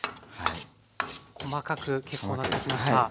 細かく結構なってきました。